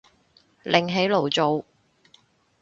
另起爐灶